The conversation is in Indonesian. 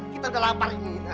kita udah lapar ini